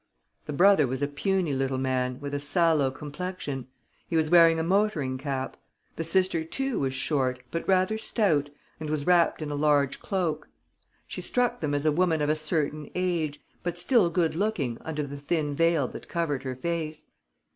The brother was a puny little man, with a sallow complexion. He was wearing a motoring cap. The sister too was short, but rather stout, and was wrapped in a large cloak. She struck them as a woman of a certain age, but still good looking under the thin veil that covered her face.